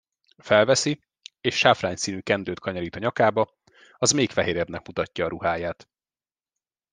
Felveszi, és sáfrányszínű kendőt kanyarít a nyakába, az még fehérebbnek mutatja a ruháját.